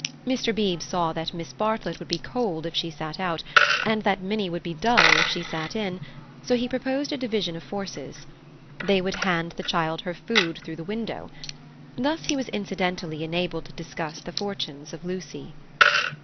Mr. Beebe saw that Miss Bartlett would be cold if she sat out, and that Minnie would be dull if she sat in, so he proposed a division of forces. They would hand the child her food through the window. Thus he was incidentally enabled to discuss the fortunes of Lucy.